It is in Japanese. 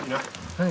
はい。